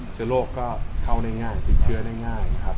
เชื้อโรคเข้าในง่ายพลิกเชื้อในง่าย